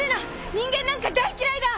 人間なんか大っ嫌いだ！